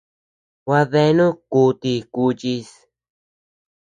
Gua deanu ku ti kuchis.